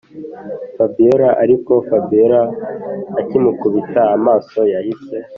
fabiora ariko fabiora akimukubita amaso yahise